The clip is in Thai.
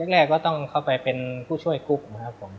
แรกก็ต้องเข้าไปเป็นผู้ช่วยกรุ๊ปนะครับผม